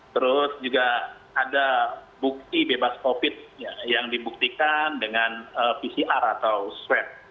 terus juga ada bukti bebas covid yang dibuktikan dengan pcr atau swab